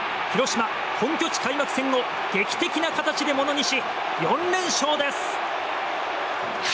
広島、本拠地開幕戦を劇的な形でものにし、４連勝です！